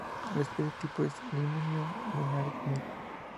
La especie tipo es: "Limonium vulgare" Mill.